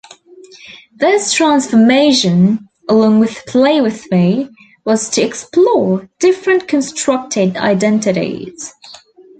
This transformation-along with Play With Me-was to explore different constructed identities.